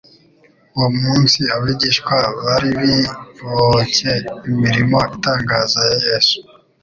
Uwo munsi abigishwa bari biboncye imirimo itangaza ya Yesu.